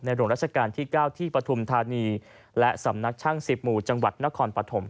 หลวงราชการที่๙ที่ปฐุมธานีและสำนักช่าง๑๐หมู่จังหวัดนครปฐม